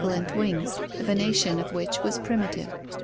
INSECTS 455 lent wings, the venation of which was primitive.